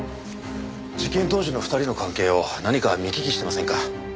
事件当時の２人の関係を何か見聞きしてませんか？